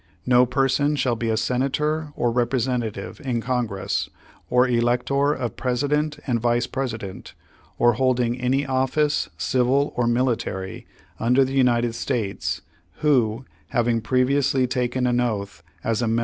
No person shall be a Senator or Representative in Congress, or elector of President and Vice President, or holding any office, civil or military, under the United States, who, having pjeviously taken an oath, as a mem.